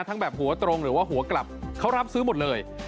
ทั้งแบบหัวตรงหรือว่าหัวกลับเขารับซื้อหมดเลย